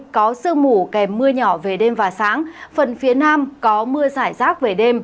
có sương mù kèm mưa nhỏ về đêm và sáng phần phía nam có mưa giải rác về đêm